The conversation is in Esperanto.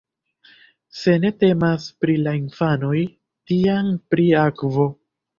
Se ne temas pri la infanoj, tiam pri akvo.